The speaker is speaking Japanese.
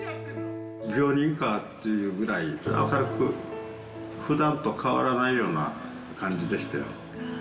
病人かっていうぐらい、明るくふだんと変わらないような感じでしたよ。